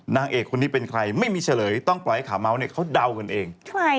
นางเอกคนนี้เป็นใครไม่มีเฉลยต้องปล่อยให้ขาเมาส์เนี่ยเขาเดากันเอง